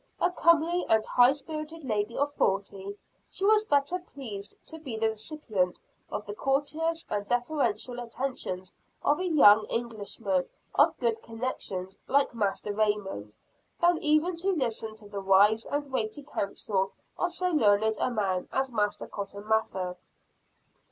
A comely and high spirited lady of forty, she was better pleased to be the recipient of the courteous and deferential attentions of a young Englishman of good connections like Master Raymond, than even to listen to the wise and weighty counsel of so learned a man as Master Cotton Mather.